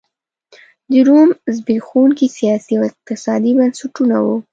د روم زبېښونکي سیاسي او اقتصادي بنسټونه وو